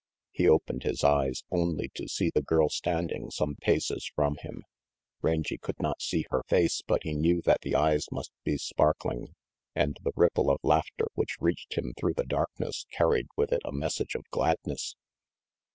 He opened his eyes, only to see the girl standing some paces from him. Rangy could not see her face but he knew that the eyes must be sparkling, and the ripple of laughter which reached him through the darkness carried with it a message of gladness.